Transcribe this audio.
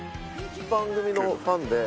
番組のファンで。